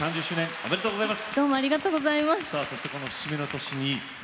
ありがとうございます。